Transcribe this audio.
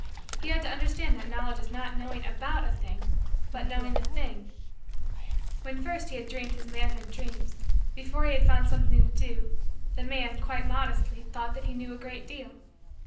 He had to understand that Knowledge is not knowing about a thing but knowing the thing. When first he had dreamed his manhood dreams, before he had found something to do, the man, quite modestly, thought that he knew a great deal.